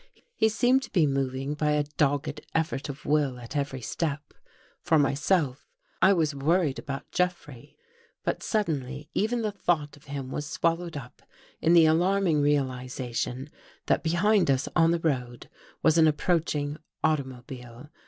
He seemed to be moving by a dogged effort of will at every step. For myself, Twas worried about Jeff rey. But suddenly even the thought of him was swallowed up in the alarming realization that behind us on the road was an approaching automobile.